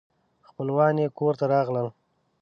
خپلوان یې کور ته راغلل.